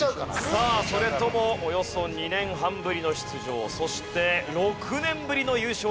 さあそれともおよそ２年半ぶりの出場そして６年ぶりの優勝なるか？